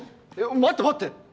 待って待って。